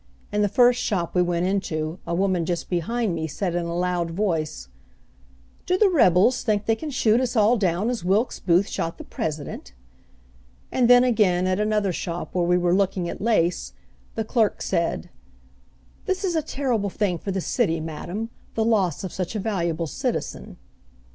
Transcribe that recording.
In the first shop we went into a woman just behind me said in a loud voice, "Do the rebels think they can shoot us all down as Wilkes Booth shot the president?" And then, again, at another shop where we were looking at lace, the clerk said, "This is a terrible thing for the city, Madam, the loss of such a valuable citizen."